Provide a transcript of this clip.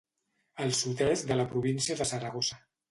Al sud-est de la província de Saragossa.